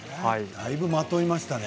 だいぶ、まといましたね。